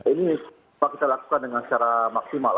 ini kita lakukan dengan secara maksimal